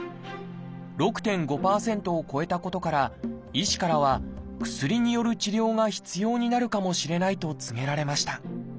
６．５％を超えたことから医師からは薬による治療が必要になるかもしれないと告げられました。